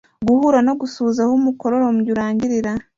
guhura no gusuhuza aho umukororombya urangirira.